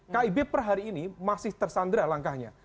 kib per hari ini masih tersandra langkahnya